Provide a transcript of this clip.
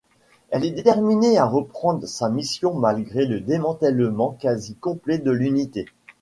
Elle est déterminée à reprendre sa mission malgré le démantèlement quasi-complet de l'unité.